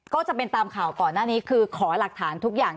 ก็จะเป็นตามข่าวก่อนหน้านี้คือขอหลักฐานทุกอย่าง